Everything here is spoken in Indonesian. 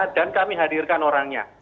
dan kami hadirkan orangnya